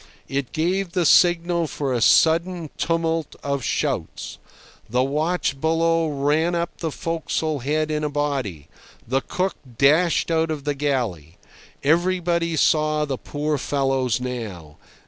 It gave the signal for a sudden tumult of shouts. The watch below ran up the forecastle head in a body, the cook dashed out of the galley. Everybody saw the poor fellows now.